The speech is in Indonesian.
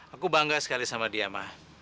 aku bangga sekali sama dia ma